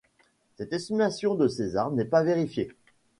Cette estimation de César n’est pas vérifiée.